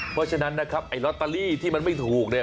เพราะฉะนั้นนะครับไอ้ลอตเตอรี่ที่มันไม่ถูกเนี่ย